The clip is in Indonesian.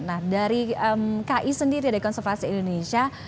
nah dari ki sendiri dari konservasi indonesia